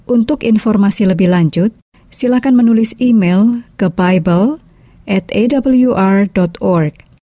untuk informasi lebih lanjut silakan menulis email ke bible awr org